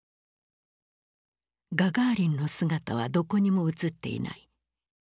ガガーリンの姿はどこにも映っていない。